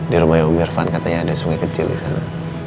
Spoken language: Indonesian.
di rumahnya om irfan katanya ada sungai kecil disana